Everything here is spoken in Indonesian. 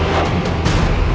saya akan menjaga kebenaran raden